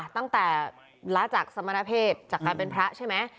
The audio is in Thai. ตั้งแต่ล้าจากสมณเพศจากการเป็นพระใช่ไหม